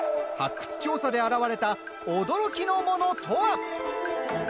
発掘調査で現れた驚きのものとは？